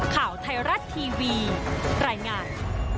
ข่าวไทยรัฐทีวีรายงาน